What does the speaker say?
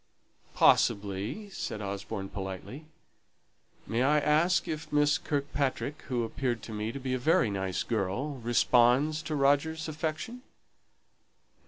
"Possibly," said Osborne, politely. "May I ask if Miss Kirkpatrick, who appeared to me to be a very nice girl, responds to Roger's affection?"